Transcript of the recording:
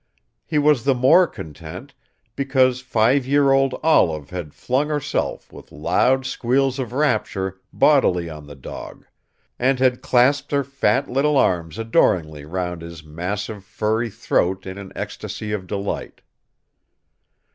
He was the more content, because five year old Olive had flung herself, with loud squeals of rapture, bodily on the dog; and had clasped her fat little arms adoringly round his massive furry throat in an ecstasy of delight.